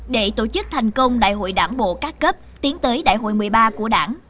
để tổ chức thành công đại hội đảng bộ các cấp tiến tới đại hội một mươi ba của đảng